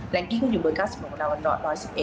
แรงกิ้งเขาอยู่เมื่อ๙๖แล้ว๑๑๑